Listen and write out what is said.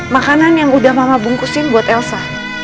makanan yang udah mama bungkusin buat elsa